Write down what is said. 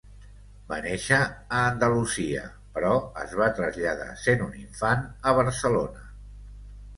Va néixer a Andalusia, però es va traslladar sent un infant a Barcelona.